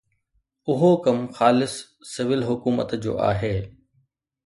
اهو ڪم خالص سول حڪومت جو آهي.